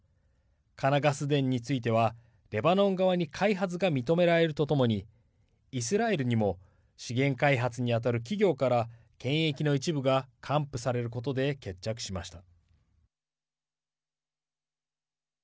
カナ・ガス田についてはレバノン側に開発が認められるとともにイスラエルにも資源開発に当たる企業から権益の一部が還付されることで決着しました。